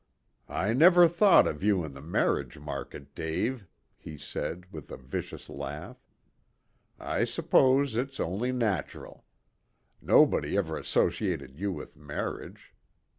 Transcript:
"I never thought of you in the marriage market, Dave," he said, with a vicious laugh. "I suppose it's only natural. Nobody ever associated you with marriage.